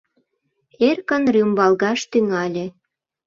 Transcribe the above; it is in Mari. Эркын рӱмбалгаш тӱҥале.